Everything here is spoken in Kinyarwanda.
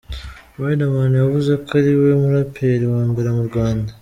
Riderman yavuze ko ari we muraperi wa mbere mu Rwanda.